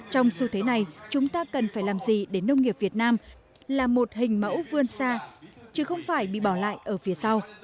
trong xu thế này chúng ta cần phải làm gì để nông nghiệp việt nam là một hình mẫu vươn xa chứ không phải bị bỏ lại ở phía sau